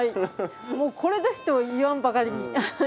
もうこれですと言わんばかりに。